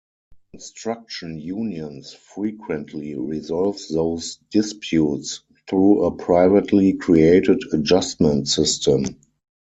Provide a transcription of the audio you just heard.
Construction unions frequently resolve those disputes through a privately created adjustment system.